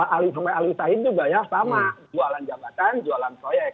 jualan jabatan jualan proyek